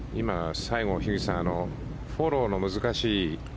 西郷、樋口さんフォローの難しい。